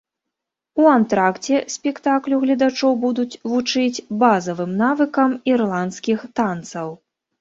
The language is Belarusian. У антракце спектаклю гледачоў будуць вучыць базавым навыкам ірландскіх танцаў.